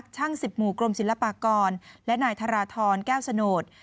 ช่าง๑๐หมู่กรมศิลปากรและนายธรทรแก้วสโนธ